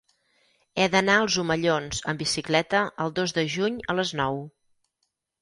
He d'anar als Omellons amb bicicleta el dos de juny a les nou.